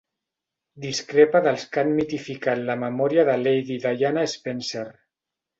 Discrepa dels que han mitificat la memòria de Lady Diana Spencer.